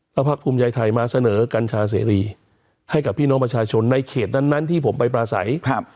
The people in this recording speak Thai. แล้วพักภูมิใจไทยมาเสนอกัญชาเสรีให้กับพี่น้องประชาชนในเขตนั้นที่ผมไปปราศัยครับ